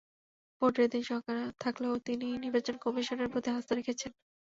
ভোটের দিন নিয়ে শঙ্কা থাকলেও তিনি নির্বাচন কমিশনের প্রতি আস্থা রেখেছেন।